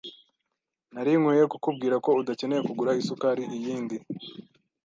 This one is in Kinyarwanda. Nari nkwiye kukubwira ko udakeneye kugura isukari iyindi.